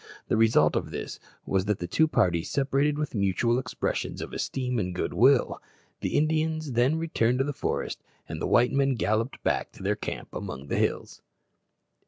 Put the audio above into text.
The result of this was that the two parties separated with mutual expressions of esteem and good will. The Indians then returned to the forest, and the white men galloped back to their camp among the hills.